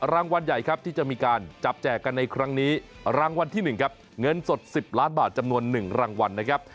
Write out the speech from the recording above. รางวัลใหญ่ครับที่จะมีการจับแจกกันในครั้งนี้รางวัลที่๑ครับเงินสด๑๐ล้านบาทจำนวน๑รางวัลนะครับ